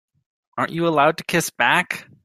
Aren't you allowed to kiss back?